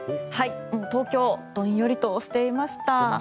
東京、どんよりとしていました。